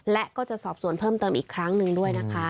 และก็จะสอบสวนเพิ่มเติมอีกครั้งหนึ่งด้วยนะคะ